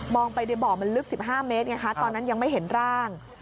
ไปในบ่อมันลึก๑๕เมตรไงคะตอนนั้นยังไม่เห็นร่าง